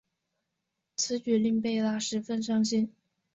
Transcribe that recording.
此举令贝拉十分伤心。